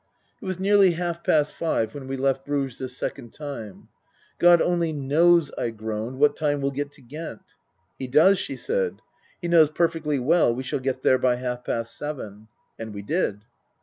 It was nearly half past five when we left Bruges the second time. " God only knows," I groaned, " what time we'll get to Ghent !"" He does," she said. " He knows perfectly well we shall get there by half past seven." And we did.